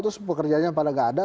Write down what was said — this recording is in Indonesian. terus pekerjaannya pada nggak ada